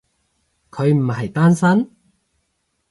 佢唔係單身？